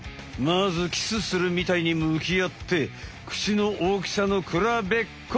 まずキスするみたいにむきあって口の大きさのくらべっこ！